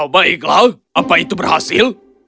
baiklah apa itu berhasil